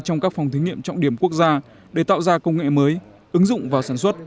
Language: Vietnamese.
trong các phòng thí nghiệm trọng điểm quốc gia để tạo ra công nghệ mới ứng dụng vào sản xuất